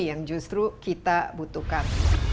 yang justru kita butuhkan